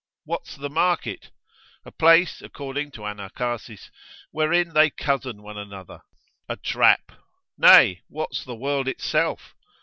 What's the market? A place, according to Anacharsis, wherein they cozen one another, a trap; nay, what's the world itself?